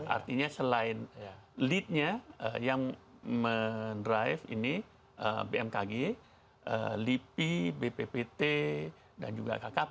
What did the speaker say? artinya selain leadnya yang mendrive ini bmkg lipi bppt dan juga kkp